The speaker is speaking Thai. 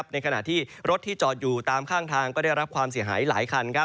ในขณะที่รถที่จอดอยู่ตามข้างทางก็ได้รับความเสียหายหลายคัน